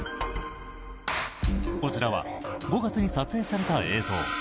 こちらは５月に撮影された映像。